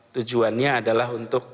tujuannya adalah untuk